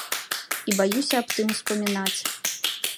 І баюся аб тым успамінаць.